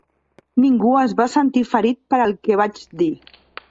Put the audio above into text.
Ningú es va sentir ferit per el que vaig dir.